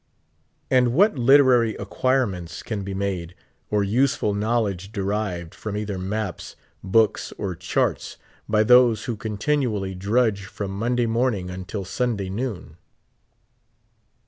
And what literary acquirements can be made, or useful knowledge derived, from either maps, books, or charts, by those who con tinually drudge from Monday morning until Sunday noon?